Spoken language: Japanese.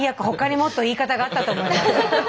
他にもっと言い方があったと思います。